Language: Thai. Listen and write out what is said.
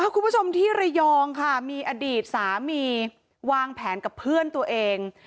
คุณผู้ชมที่ระยองค่ะมีอดีตสามีวางแผนกับเพื่อนตัวเอง